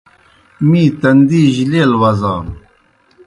می تندی جیْ لیل وزانوْ۔